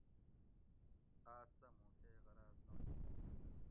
آس سہ موں کئ غراۤض نا تھی